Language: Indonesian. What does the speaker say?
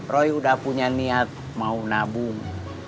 roy udah punya niat mau nabung